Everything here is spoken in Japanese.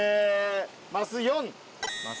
マス４。